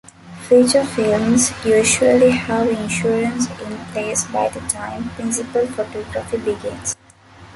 Feature films usually have insurance in place by the time principal photography begins.